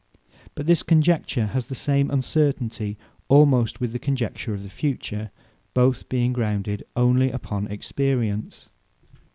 But his conjecture, has the same incertainty almost with the conjecture of the Future; both being grounded onely upon Experience.